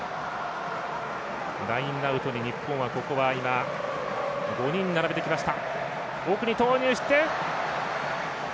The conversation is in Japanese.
ラインアウトに日本は５人並べてきました。